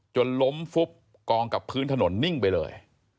จนล้มฟุบกองกับพื้นถนนนิ่งไปเลย